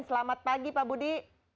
selamat pagi pak budi